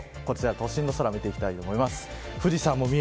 東京の都心の空を見ていきたいと思います。